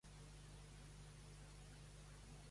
El primer single de presentació és: